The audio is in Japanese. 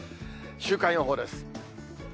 週間予報です。